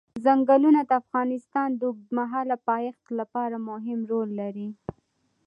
ځنګلونه د افغانستان د اوږدمهاله پایښت لپاره مهم رول لري.